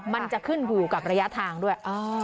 มันจะขึ้นอยู่กับระยะทางด้วย